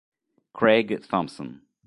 Craig Thomson